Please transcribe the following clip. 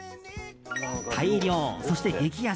大量、そして激安。